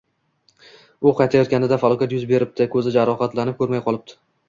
U qaytayotganida falokat yuz beribdi, ko‘zi jarohatlanib, ko‘rmay qolibdi.